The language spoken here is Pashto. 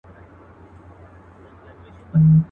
دغه ځای به مي تر مرګه یادومه.